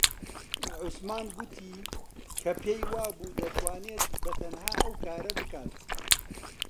عوسمان گوتی کە پێی وابوو دەتوانێت بەتەنها ئەو کارە بکات.